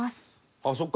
あっそっか。